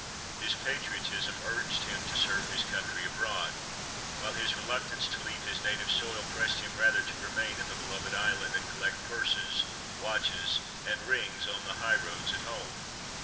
His patriotism urged him to serve his country abroad, while his reluctance to leave his native soil pressed him rather to remain in the beloved island, and collect purses, watches, and rings on the highroads at home.